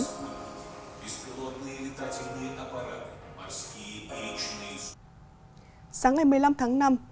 sáng hai mươi năm tháng năm thành phố nga đã tạo ra một lĩnh vực hợp tác truyền thống giữa hai nước